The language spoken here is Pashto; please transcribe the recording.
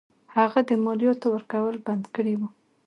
هغه د مالیاتو ورکول بند کړي وه.